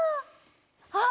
あっ！